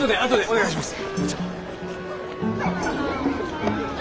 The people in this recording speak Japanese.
お願いします。